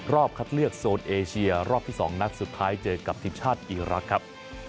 รอบคัดเลือกโซนเอเชียรอบที่๒นัดสุดท้ายเจอกับทีมชาติอีรักษ์ครับ